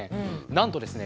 なんとですね